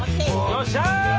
よっしゃ！